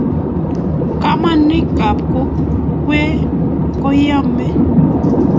kamanik ab kokwee kohomei